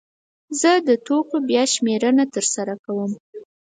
زه د توکو بیا شمېرنه ترسره کوم.